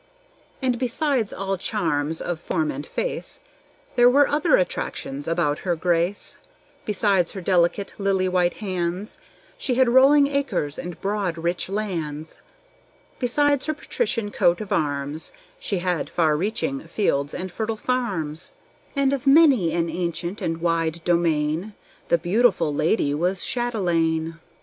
And besides all charms of form and face, There were other attractions about Her Grace; Besides her delicate, lily white hands, She had rolling acres and broad, rich lands; Besides her patrician coat of arms, She had far reaching forests and fertile farms; And of many an ancient and wide domain The beautiful lady was châtelaine.